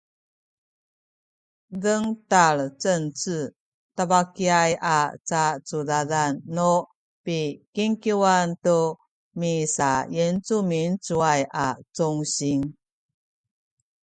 dengtal Cengce tabakiaya a cacudadan nu pikingkiwan tu misayincumincuay a congsin